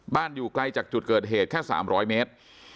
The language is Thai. อยู่ไกลจากจุดเกิดเหตุแค่๓๐๐เมตร